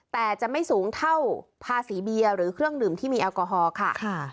แต่จะไม่สูงเท่าภาษีเบียร์หรือเครื่องดื่มที่มีแอลกอฮอล์ค่ะ